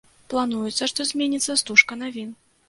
Плануецца, што зменіцца стужка навін.